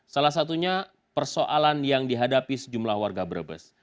salah satunya persoalan yang dihadapi sejumlah warga brebes